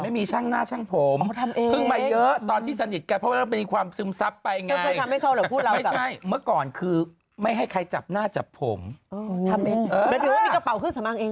แบบผมทำเองแบบมีกระเป๋าเครื่องสำรางเองหรอ